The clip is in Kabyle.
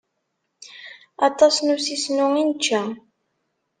Aṭas n usisnu i nečča.